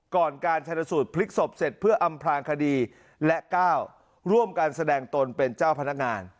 การชนสูตรพลิกศพเสร็จเพื่ออำพลางคดีและ๙ร่วมกันแสดงตนเป็นเจ้าพนักงาน